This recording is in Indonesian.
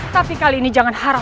tapi kali ini jangan harap